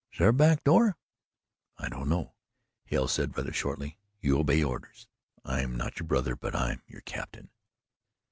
"Is there a back door?" "I don't know," Hale said rather shortly. "You obey orders. I'm not your brother, but I'm your captain."